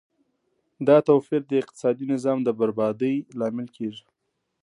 دا توپیر د اقتصادي نظام د بربادۍ لامل کیږي.